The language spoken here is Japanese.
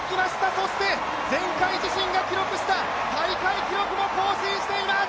そして前回、自身が記録した大会記録も更新しています！